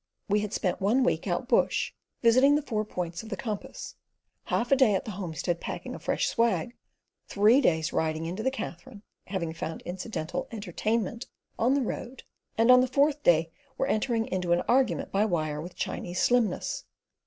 We had spent one week out bush, visiting the four points of the compass, half a day at the homestead packing a fresh swag; three days riding into the Katherine, having found incidental entertainment on the road, and on the fourth day were entering into an argument by wire with Chinese slimness.